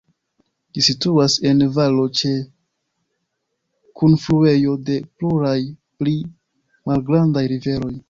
Ĝi situas en valo ĉe kunfluejo de pluraj pli malgrandaj riveroj.